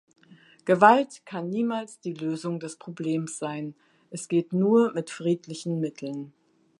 Gewalt kann niemals die Lösung des Problems sein, es geht nur mit friedlichen Mitteln.